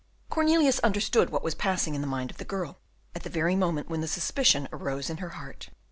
Cornelius understood what was passing in the mind of the girl, at the very moment when the suspicion arose in her heart.